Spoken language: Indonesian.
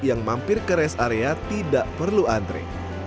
yang mampir ke res area tidak perlu antre